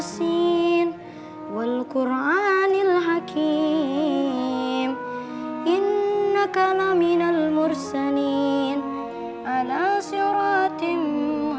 sampai jumpa di video selanjutnya